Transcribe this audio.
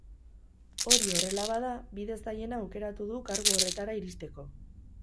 Hori horrela bada, bide zailena aukeratu du kargu horretara iristeko.